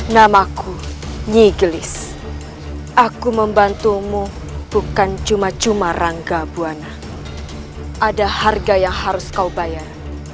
namaku nyigelis aku membantumu bukan cuma cuma rangga buana ada harga yang harus kau bayar